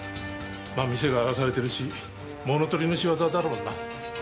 まあ店が荒らされてるし物盗りの仕業だろうな。